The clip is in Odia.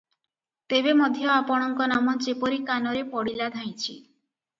ତେବେ ମଧ୍ୟ ଆପଣଙ୍କ ନାମ ଯେପରି କାନରେ ପଡ଼ିଲା ଧାଇଁଛି ।"